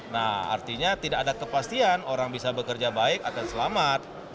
nah artinya tidak ada kepastian orang bisa bekerja baik akan selamat